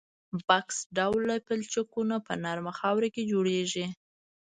بکس ډوله پلچکونه په نرمه خاوره کې جوړیږي